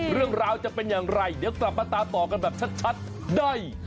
เรื่องราวจะเป็นอย่างไรเดี๋ยวกลับมาตามต่อกันแบบชัดได้